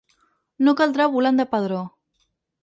No caldrà volant de padró.